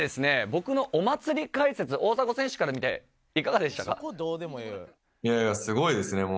僕のお祭り解説大迫選手から見ていかがでしたか？